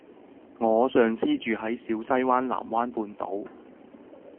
我上司住喺小西灣藍灣半島